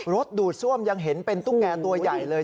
ดูดซ่วมยังเห็นเป็นตุ๊กแงตัวใหญ่เลย